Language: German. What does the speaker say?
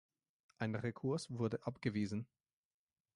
Ein Rekurs wurde abgewiesen.